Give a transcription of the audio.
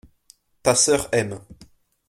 Ta sœur aime.